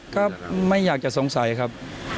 ก็ไม่อยากจะสงสัยครับ